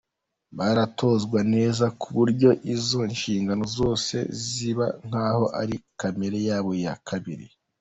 Baratozwa neza ku buryo izo nshingano zose ziba nkaho ari kamere yabo ya kabiri.